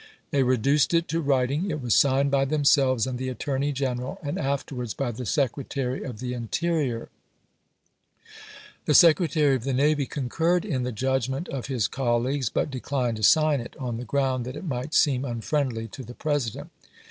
They reduced it to writing ; it was signed by themselves and the Attorney Greneral, and afterwards by the Secretary of the Interior. W. E. Vol. XII. Part III., p. 787. 22 ABKAHAM LINCOLN Chap. I. The Secretary of the Navy concurred in the judg ment of his colleagues, but declined to sign it, on the ground that it might seem unfriendly to the President.